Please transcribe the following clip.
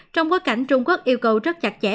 trong bối cảnh trung quốc yêu cầu rất chặt chẽ